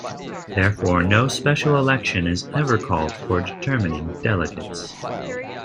Therefore, no special election is ever called for determining delegates.